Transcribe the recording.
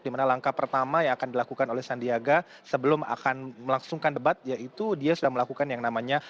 dimana langkah pertama yang akan dilakukan oleh sandiaga sebelum akan melangsungkan debat yaitu dia sudah melakukan yang namanya